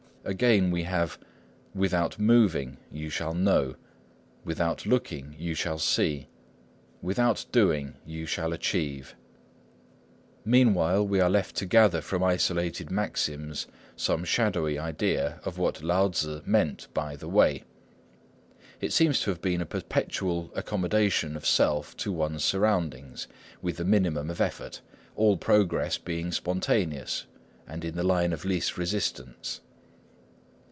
Again we have, "Without moving, you shall know; without looking, you shall see; without doing, you shall achieve." Meanwhile, we are left to gather from isolated maxims some shadowy idea of what Lao Tzŭ meant by the Way. It seems to have been a perpetual accommodation of self to one's surroundings, with the minimum of effort, all progress being spontaneous and in the line of least resistance.